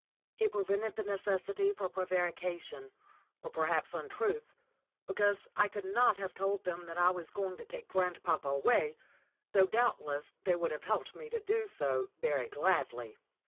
It prevented the necessity for prevarication, or perhaps untruth, because I could not have told them that I was going to take grandpapa away, though doubtless they would have helped me to do so very gladly.